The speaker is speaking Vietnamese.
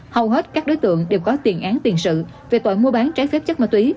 hầu hết các đối tượng đều có tiền án tiền sự về tội mua bán trái phép chất ma túy